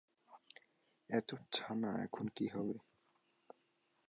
এত ছানা এখন কী হবে?